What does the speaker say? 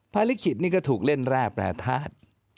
ภารกิจนี่ก็ถูกเล่นแร่แปรทาส